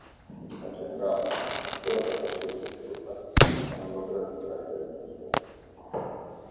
En general s'obté les equacions de Friedmann en un nombre arbitrari de dimensions.